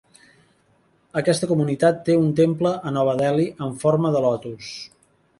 Aquesta comunitat té un temple a Nova Delhi amb forma de lotus.